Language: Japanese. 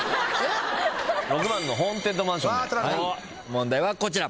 問題はこちら。